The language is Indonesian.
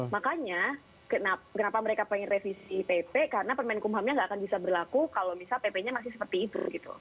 makanya kenapa mereka pengen revisi pp karena kemenkumhamnya nggak akan bisa berlaku kalau misalnya ppnya masih seperti itu gitu